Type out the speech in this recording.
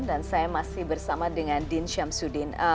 dan saya masih bersama dengan prof din syamsuddin